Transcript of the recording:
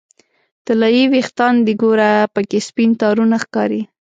طلایې ویښان دې ګوره پکې سپین تارونه ښکاري